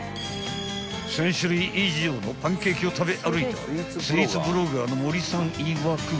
［１，０００種類以上のパンケーキを食べ歩いたスイーツブロガーの森さんいわく］